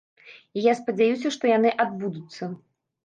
І я спадзяюся, што яны адбудуцца.